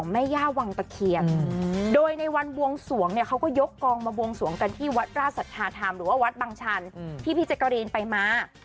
แม่ย่าวังตะเคียนโดยในวันบวงสวงเนี่ยเขาก็ยกกองมาบวงสวงกันที่วัดราชสัทธาธรรมหรือว่าวัดบังชันที่พี่แจ๊กกะรีนไปมา